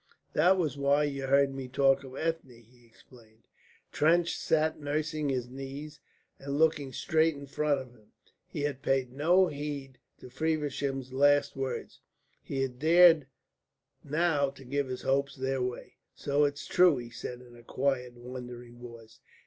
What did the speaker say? "That was why you heard me talk of Ethne," he explained. Trench sat nursing his knees and looking straight in front of him. He had paid no heed to Feversham's last words. He had dared now to give his hopes their way. "So it's true," he said in a quiet wondering voice.